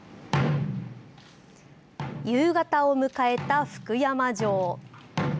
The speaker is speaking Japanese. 夕方を迎えた福山城。